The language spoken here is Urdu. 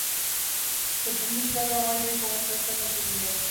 تجویزکردہ معاہدے کو مسترد کرنے کے لیے